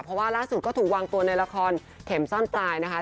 เพราะว่าล่าสุดก็ถูกวางตัวในละครเข็มซ่อนปลายนะคะ